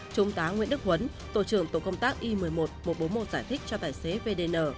trung tá nguyễn đức huấn tổ trưởng tổ công tác i một mươi một một trăm bốn mươi một giải thích cho tài xế vdn